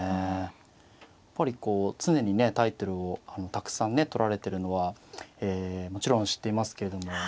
やっぱり常にねタイトルをたくさん取られてるのはもちろん知っていますけれども。